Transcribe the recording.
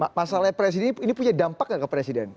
mas aref presiden ini punya dampak nggak ke presiden